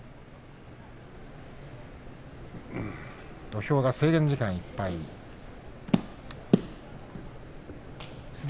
土俵が制限時間いっぱいです。